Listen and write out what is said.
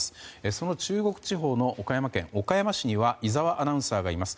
その中国地方の岡山県岡山市には井澤アナウンサーがいます。